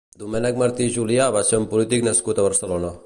Domènec Martí i Julià va ser un polític nascut a Barcelona.